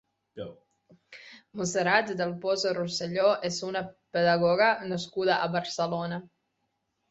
Montserrat del Pozo Roselló és una pedagoga nascuda a Barcelona.